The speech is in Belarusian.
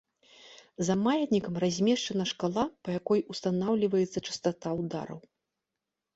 За маятнікам размешчана шкала, па якой устанаўліваецца частата удараў.